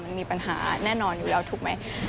มันมีปัญหาแน่นอนอยู่แล้วถูกไหม